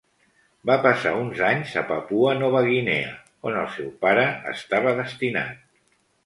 Va passar uns anys a Papua Nova Guinea, on el seu pare estava destinat.